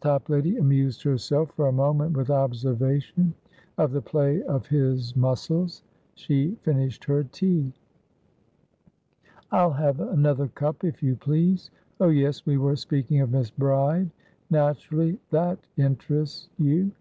Toplady amused herself for a moment with observation of the play of his muscles. She finished her tea. "I'll have another cup, if you please. Oh yes, we were speaking of Miss Bride. Naturally, that interests you.